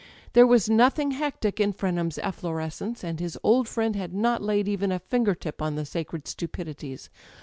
There was nothing hectic in Frenham's efflorescence, and his old friend had not laid even a finger tip on the sacred stupidities.